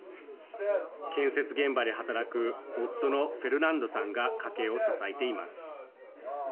建設現場で働く夫のフェルナンドさんが家計を支えています。